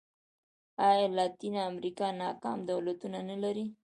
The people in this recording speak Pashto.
ایا لاتینه امریکا ناکام دولتونه نه لري.